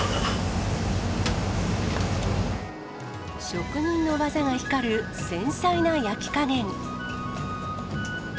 職人の技が光る繊細な焼き加減。